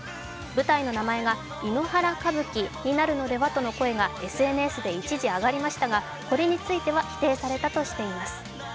舞台の名前が井ノ原歌舞伎になるのではという声がＳＮＳで一時、上がりましたがこれについては否定されたとしています。